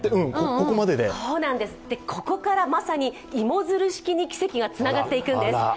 ここからまさに芋づる式に奇跡がつながっていくんです。